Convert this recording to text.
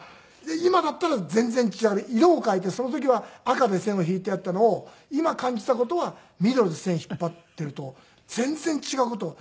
今だったら全然違う色を変えてその時は赤で線を引いてあったのを今感じた事は緑で線引っ張っていると全然違う事を。